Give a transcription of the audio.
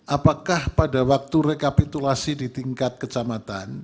apakah pada waktu rekapitulasi di tingkat kecamatan